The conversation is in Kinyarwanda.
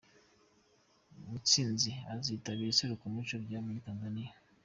Mutsinzi azitabira iserukiramuco ryo muri Tanzaniya